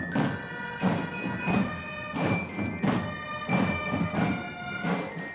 penata rama tiga